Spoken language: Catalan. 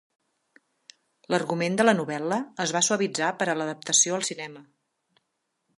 L'argument de la novel·la es va suavitzar per a l'adaptació al cinema.